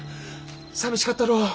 さみしかったろう？